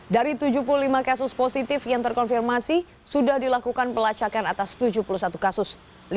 dari tujuh puluh lima kasus positif yang terkonfirmasi sudah dilakukan pelacakan atas tujuh puluh satu kasus